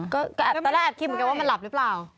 ก็ตอนแรกแอบคิดเหมือนกันว่ามันหลับหรือเปล่า